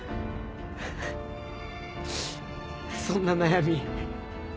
そんな悩み